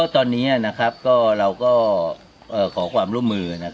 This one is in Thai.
ตอนนี้เราก็ขอความร่วมมือ